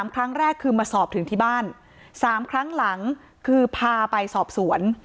ครั้งแรกคือมาสอบถึงที่บ้าน๓ครั้งหลังคือพาไปสอบสวน